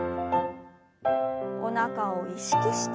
おなかを意識して。